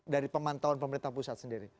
dari pemantauan pemerintah pusat sendiri